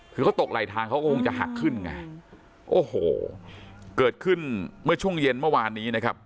คือเขาตกไหลทางเขาก็คงจะหักขึ้นไงโอ้โหเกิดขึ้นเมื่อช่วงเย็นเมื่อวานนี้นะครับ